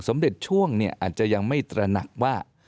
เด็จช่วงเนี่ยอาจจะยังไม่ตระหนักว่า